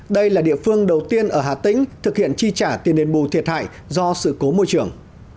đây là địa phương đầu tiên ở hà tĩnh thực hiện chi trả tiền đền bù thiệt hại do sự cố môi trường